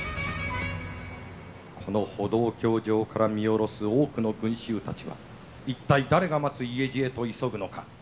この歩道橋上から見下ろす多くの群衆たちが一体誰が待つ家路へと急ぐのか？